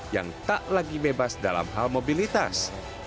yang tak lagi bebas dalam hal mobilitas